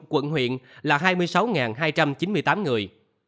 quận huyện là hai mươi sáu hai trăm chín mươi tám người